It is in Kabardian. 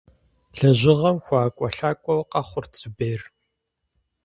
Лэжьыгъэм хуэIэкIуэлъакIуэу къэхъурт Зубер.